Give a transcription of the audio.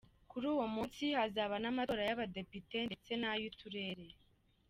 Kuri uwo munsi hazaba n'amatora y'abadepite ndetse n'ay'uturere.